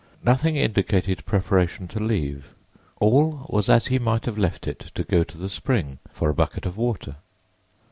Nothing indicated preparation to leave: all was as he might have left it to go to the spring for a bucket of water.